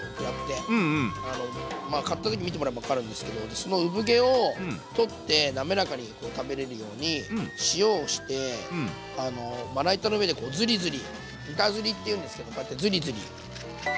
あのまあ買った時見てもらえば分かるんですけどその産毛を取って滑らかに食べれるように塩をしてまな板の上でこうズリズリ板ずりっていうんですけどこうやってズリズリ。